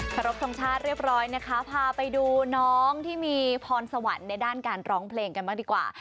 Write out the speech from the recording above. ครบทรงชาติเรียบร้อยนะคะพาไปดูน้องที่มีพรสวรรค์ในด้านการร้องเพลงกันบ้างดีกว่า